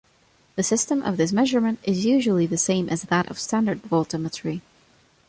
The system of this measurement is usually the same as that of standard voltammetry.